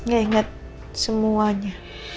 gak inget semuanya